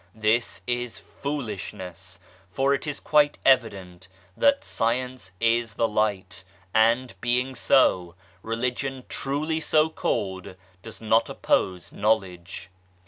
This is foolish ness, for it is quite evident that Science is the Light, and, being so, Religion truly so called does not oppose knowledge.